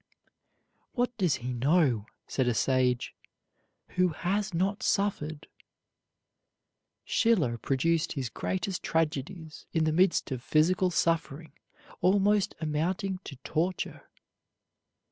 "What does he know," said a sage, "who has not suffered?" Schiller produced his greatest tragedies in the midst of physical suffering almost amounting to torture.